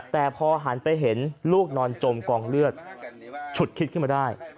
แต่พอหันไปเห็นลูกนอนจมกองเลือดฉุดคิดขึ้นมาได้